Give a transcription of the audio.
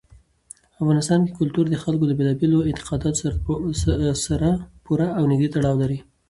افغانستان کې کلتور د خلکو له بېلابېلو اعتقاداتو سره پوره او نږدې تړاو لري.